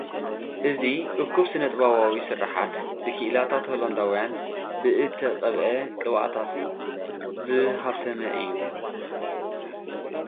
እዚ እኩብ ስነ-ጥበባዊ ስርሓት፡ ብክኢላታት ሆላንዳውያን ብእተቐብኤ ቅብኣታት ዝሃብተመ እዩ።